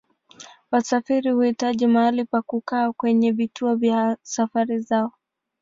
Wasafiri huhitaji mahali pa kukaa kwenye vituo vya safari zao.